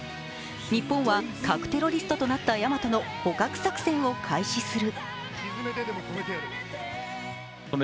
日本は核テロリストとなった「やまと」の捕獲作戦を開始する。